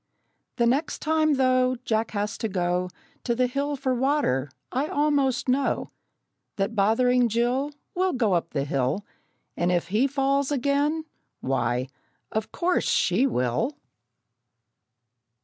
The next time, though, Jack has to go To the hill for water, I almost know That bothering Jill Will go up the hill, And if he falls again, why, of course she will!